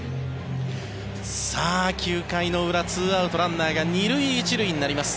９回の裏、２アウトランナーが２塁１塁になります。